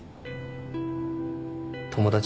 友達。